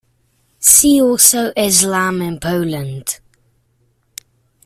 See also Islam in Poland.